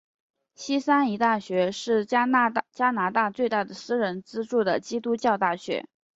西三一大学是加拿大最大的私人资助的基督教大学。